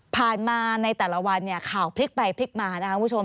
ผ่านมาในแต่ละวันเนี่ยข่าวพลิกไปพลิกมานะคะคุณผู้ชม